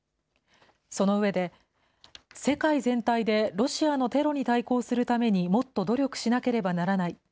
その上で、世界全体でロシアのテロに対抗するためにもっと努力しなければならない。